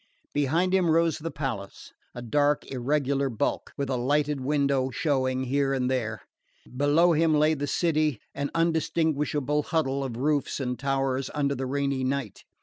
Behind him rose the palace, a dark irregular bulk, with a lighted window showing here and there. Before him lay the city, an indistinguishable huddle of roofs and towers under the rainy night.